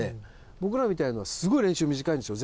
僕らみたいなのはすごい練習短いんですよ